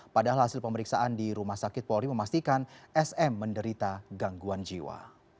padahal hasil pemeriksaan di rumah sakit polri memastikan sm menderita gangguan jiwa